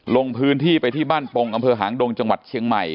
ลงพื้นที่ไปที่บ้านปงอำเภอหางดงจังหวัดเชียงใหม่